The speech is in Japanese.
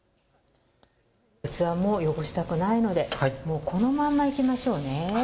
器も汚したくないのでこのままいきましょう。